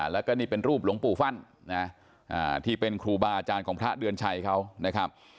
แล้วก็นี่เป็นรูปหลวงปู่ฟั่นที่เป็นครูบาอาจารย์ของพระเดือนชัยเขานะครับ